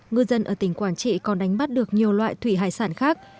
ngư dân ở tỉnh quảng trị còn đánh bắt được nhiều loại thủy hải sản khác